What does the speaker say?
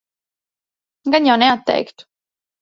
Gan jau neatteiktu.